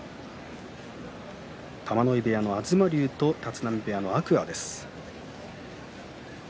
玉ノ井部屋の東龍と立浪部屋の天空海。